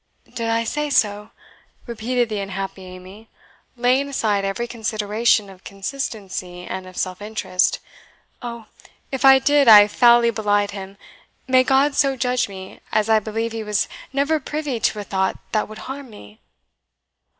"Did I say so?" repeated the unhappy Amy, laying aside every consideration of consistency and of self interest. "Oh, if I did, I foully belied him. May God so judge me, as I believe he was never privy to a thought that would harm me!"